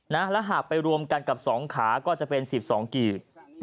แล้วหากไปรวมกันกับ๒ขาก็จะเป็น๑๒กีบ